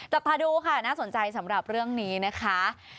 จับตาดูค่ะน่าสนใจสำหรับเรื่องนี้นะคะ